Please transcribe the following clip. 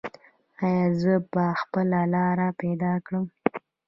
ایا زه به خپله لاره پیدا کړم؟